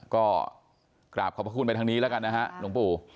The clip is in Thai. ก็กราบขอบพระคุณไปทางนี้แล้วกันนะฮะหลวงปู่